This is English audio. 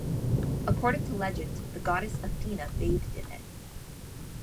According to legend, the goddess Athena bathed in it.